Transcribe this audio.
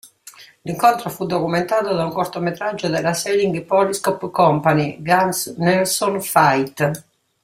L'incontro fu documentato da un cortometraggio della Selig Polyscope Company, "Gans-Nelson Fight".